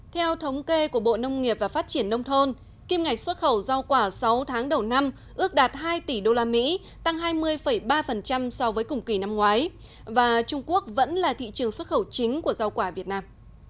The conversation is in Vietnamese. theo thống kê của bộ nông nghiệp và phát triển nông thôn kim ngạch xuất khẩu rau quả sáu tháng đầu năm ước đạt hai tỷ usd tăng hai mươi ba so với cùng kỳ năm ngoái và trung quốc vẫn là thị trường xuất khẩu chính của rau quả việt nam